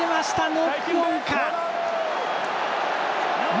ノックオンか。